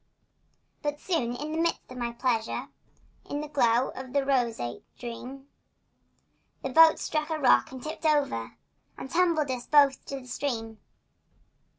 But soon, in the midst of my pleasure, In the glow of a roseate dream, The boat struck a rock and tipped over And tumbled us both in the stream.